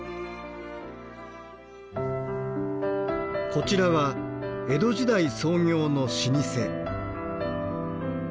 こちらは江戸時代創業の老舗。